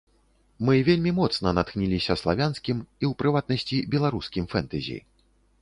Мы вельмі моцна натхніліся славянскім, і, у прыватнасці, беларускім фэнтэзі.